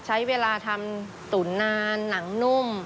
ใช้เวลาทำตุ๋นนานหนังนุ่ม